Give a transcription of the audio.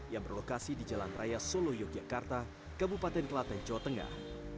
yang berlokasi di jalan raya solo yogyakarta kabupaten kelaten jawa tengah